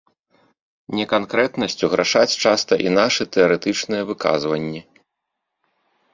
Неканкрэтнасцю грашаць часта і нашы тэарэтычныя выказванні.